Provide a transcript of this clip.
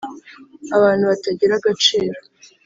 abantu batagira agaciro,